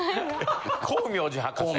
光明寺博士？